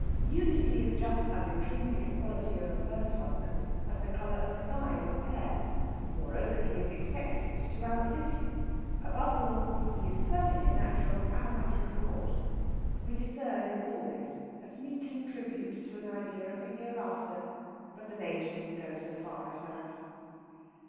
Unity is just as intrinsic a quality of a first husband as the colour of his eyes or hair. Moreover, he is expected to outlive you. Above all, he is perfectly natural and a matter of course. We discern in all this a sneaking tribute to an idea of a hereafter; but the Major didn't go so far as that.